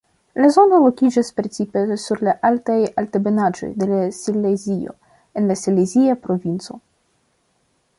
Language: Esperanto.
La zono lokiĝas precipe sur la altaj altebenaĵoj de Silezio en la Silezia provinco.